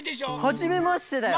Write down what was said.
はじめましてだよ！